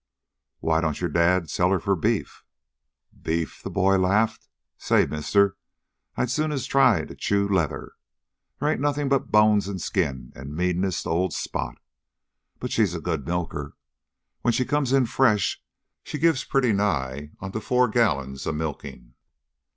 "Why don't your dad sell her for beef?" "Beef?" The boy laughed. "Say, mister, I'd as soon try to chew leather. They ain't nothing but bones and skin and meanness to old Spot. But she's a good milker. When she comes in fresh she gives pretty nigh onto four gallons a milking."